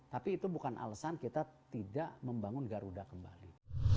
tapi itu bukan alasan kita tidak membangun garuda kembali